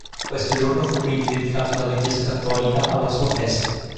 Questo giorno fu quindi dedicato dalla Chiesa cattolica alla sua festa.